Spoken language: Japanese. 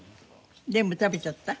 全部食べちゃった？